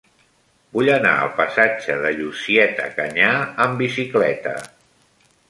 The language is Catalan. Vull anar al passatge de Llucieta Canyà amb bicicleta.